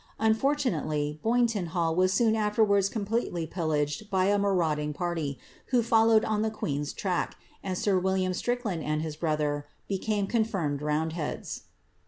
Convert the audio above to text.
Unfortunately, Boynton Hall was soon afterwards completely pillaged I marauding party, who followed on the queen's track, and sir Wil I Strickland and his brother became confirmed roundheads.